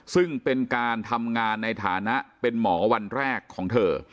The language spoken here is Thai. ซึ่งเป็นการทำงานในฐานะเป็นหมอวันแรกของเธอ